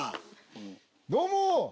どうも！